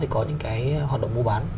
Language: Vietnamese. có những hoạt động mua bán